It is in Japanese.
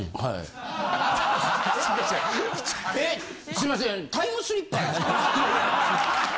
すいません。